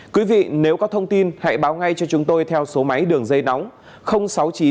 quý vị nếu có thông tin hãy báo ngay cho chúng tôi theo số máy đường dây nóng sáu mươi chín hai trăm ba mươi bốn năm nghìn tám trăm sáu mươi